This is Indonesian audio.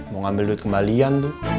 mau ngambil duit kembalian tuh